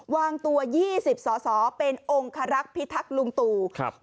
วางตัว๒๐สอเป็นองค์ฮพิทักษ์ลุงตู่